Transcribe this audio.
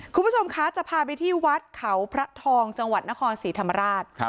คุณผู้ชมคะจะพาไปที่วัดเขาพระทองจังหวัดนครศรีธรรมราช